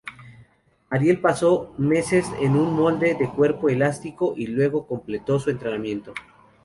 Ariel pasó meses en un molde de cuerpo elástico y luego completó su entrenamiento.